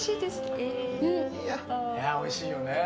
おいしいよね。